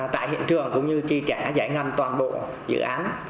tại hiện trường cũng như chi trả giải ngân toàn bộ dự án